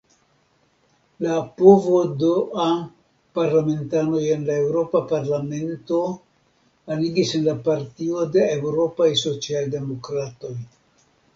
La PvdA-parlamentanoj en la Eŭropa Parlamento aniĝis en la Partio de Eŭropaj Socialdemokratoj.